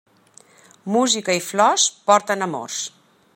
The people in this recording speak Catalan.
Música i flors porten amors.